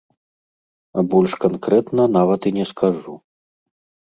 А больш канкрэтна нават і не скажу.